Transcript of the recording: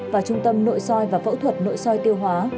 và trung tâm nội soi và phẫu thuật nội soi tiêu hóa